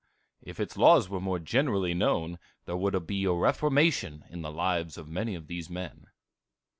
If its laws were more generally known, there would be a reformation in the lives of many of these men.